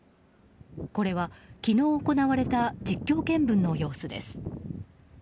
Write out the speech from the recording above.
これは昨日行われた実況見分の様子です。